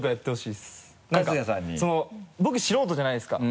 なんか僕素人じゃないですか。